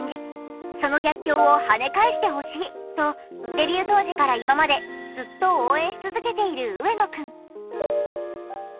その逆境を跳ね返してほしいとデビュー当時から今までずっと応援し続けている上野くん。